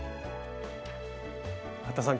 服田さん